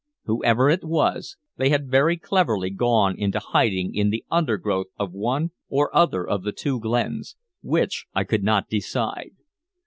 Whoever it was they had very cleverly gone into hiding in the undergrowth of one or other of the two glens which I could not decide.